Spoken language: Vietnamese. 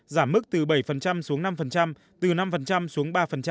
giảm mức từ bảy xuống năm từ năm xuống ba